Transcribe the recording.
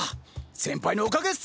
先輩のおかげっす！